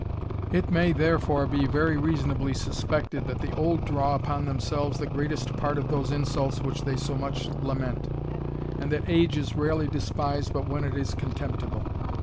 It may, therefore, very reasonably be suspected that the old draw upon themselves the greatest part of those insults which they so much lament, and that age is rarely despised but when it is contemptible.